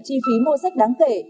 chi phí mua sách đáng kể